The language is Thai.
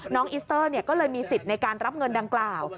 อิสเตอร์ก็เลยมีสิทธิ์ในการรับเงินดังกล่าว